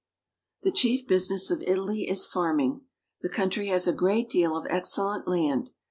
The chief business of Italy is farming. The country has a great deal of excellent land.